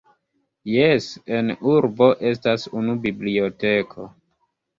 Jes, en urbo estas unu biblioteko.